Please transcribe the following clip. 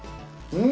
うん！